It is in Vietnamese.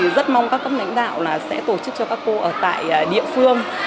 rất mong các cấp lãnh đạo sẽ tổ chức cho các cô ở tại địa phương